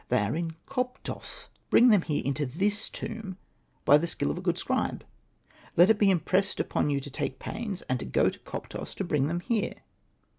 they are in Koptos ; bring them here into this tomb, by the skill of a good scribe. Let it be impressed upon you to take pains, and to go to Koptos to bring them here."